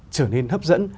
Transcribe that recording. trở nên hấp dẫn